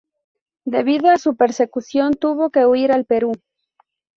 Debido a su persecución tuvo que huir al Perú.